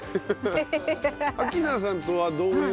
明菜さんとはどういう？